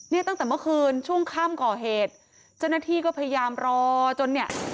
เนี่ยตั้งแต่เมื่อคืนช่วงค่ำก่อเหตุเจ้าหน้าที่ก็พยายามรอจนเนี่ย